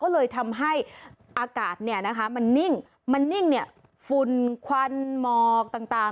เลยทำให้อากาศมันนิ่งมันนิ่งเนี่ยฟุนควันหมอกต่าง